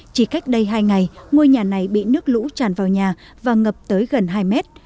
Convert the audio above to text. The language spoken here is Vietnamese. chỉ cách đây hai ngày ngôi nhà này bị nước lũ tràn vào nhà và ngập tới gần hai mét